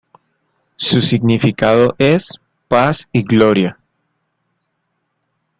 Su significado es "paz y gloria".